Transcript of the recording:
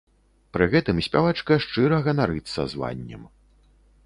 Пры гэтым спявачка шчыра ганарыцца званнем.